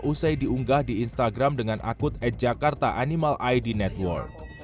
usai diunggah di instagram dengan akut atjakartaanimalidnetwork